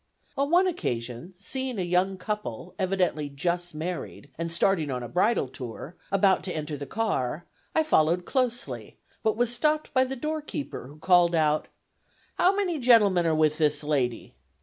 On one occasion, seeing a young couple, evidently just married, and starting on a bridal tour, about to enter the car, I followed closely, but was stopped by the door keeper, who called out: "How many gentlemen are with this lady."